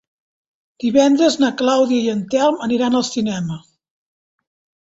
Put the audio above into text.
Divendres na Clàudia i en Telm aniran al cinema.